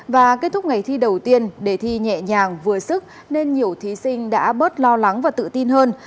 và kết thúc ngày thi đầu tiên đề thi nhẹ nhàng vừa sức nên nhiều thí sinh đã bớt lo lắng và tự tin hơn